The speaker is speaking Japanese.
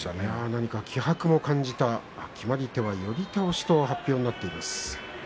何か気迫を感じた決まり手は寄り倒しとなっています。